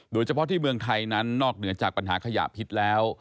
โดยเฉพาะที่เมืองไทยนั้นนอกเหนือจากปัญหาขยะพิษแล้ว